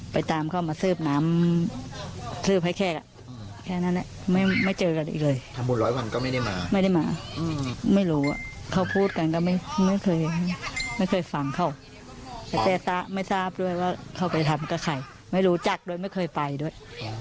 ไปทำก็ไข่ไม่รู้จักโดยไม่เคยไปด้วย